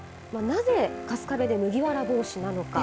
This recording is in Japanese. なぜ春日部で麦わら帽子なのか。